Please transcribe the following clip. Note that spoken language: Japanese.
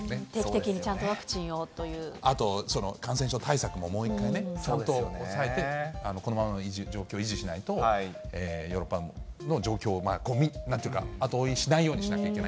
定期的にちゃんとワクチンをあと、その感染症対策ももう一回ね、ちゃんと押さえてこのままの状況を維持しないと、ヨーロッパの状況をなんというか、後追いしないようにしないと。